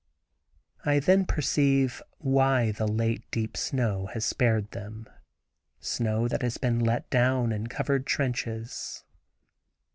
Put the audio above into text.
I then perceive why the late deep snow has spared them, snow that has been let below in covered trenches.